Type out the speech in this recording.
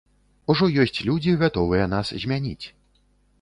Ужо ёсць людзі, гатовыя нас змяніць.